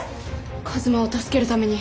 一馬を助けるために。